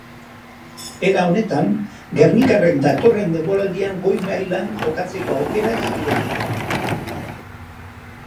Era honetan, gernikarrek datorren denboraldian goi mailan jokatzeko aukera izango dute.